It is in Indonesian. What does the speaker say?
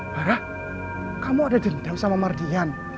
barah kamu ada dendam sama mardian